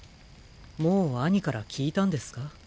もうアニから聞いたんですか？